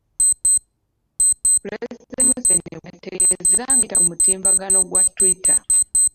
Pulezidenti Museveni bweyategezeza ng'ayita ku mutimbagano gwa Twitter